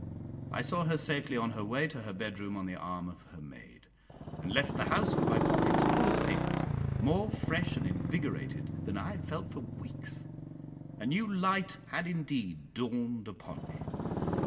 I saw her safely on her way to her bedroom on the arm of her maid, and left the house with my pockets full of papers, more fresh and invigorated than I had felt for weeks. A new light had indeed dawned upon me.